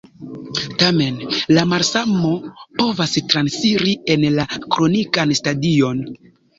Tamen la malsano povas transiri en la kronikan stadion.